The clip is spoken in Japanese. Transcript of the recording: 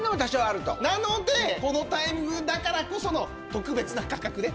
なのでこのタイミングだからこその特別な価格で。